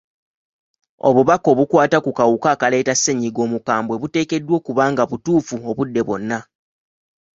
Obubaka obukwata ku kawuka akaleeta ssennyiga omukambwe buteekeddwa okuba nga butuufu obudde bwonna.